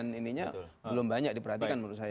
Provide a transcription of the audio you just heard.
ininya belum banyak diperhatikan menurut saya